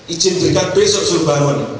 izin berikan besok saya bangun